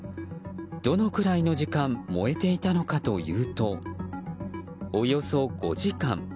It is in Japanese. どのくらいの時間燃えていたのかというとおよそ５時間。